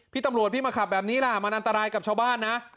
พี่ตำรวจพี่มาขับแบบนี้ล่ะมันอันตรายกับชาวบ้านนะ